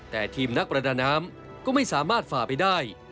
แต่ทีมนักประดาน้ำก็ไม่สามารถฝ่าไปได้